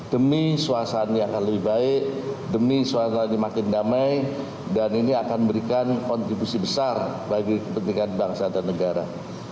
demi suasana yang lebih baik demi suasana ini makin damai dan ini akan memberikan kontribusi besar bagi kepentingan bangsa dan negara